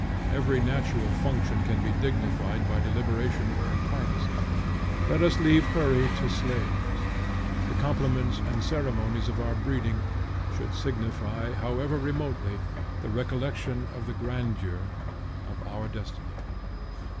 Every natural function can be dignified by deliberation and privacy. Let us leave hurry to slaves. The compliments and ceremonies of our breeding should signify, however remotely, the recollection of the grandeur of our destiny.